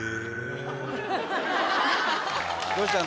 どうしたの？